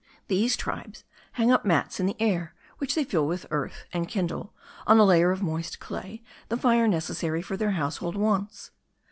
These tribes hang up mats in the air, which they fill with earth, and kindle, on a layer of moist clay, the fire necessary for their household wants.